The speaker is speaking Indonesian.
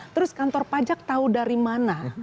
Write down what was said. terus kantor pajak tahu dari mana